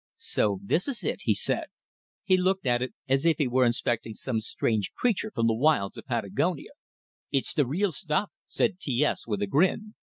"So this is it!" he said. He looked at it, as if he were inspecting some strange creature from the wilds of Patagonia. "It's de real stuff," said T S, with a grin.